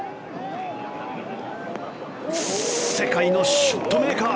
世界のショットメーカー。